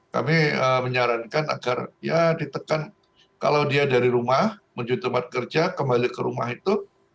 kami menyarankan agar ya ditekan kalau dia dari rumah menuju tempat kerja kembali ke rumah itu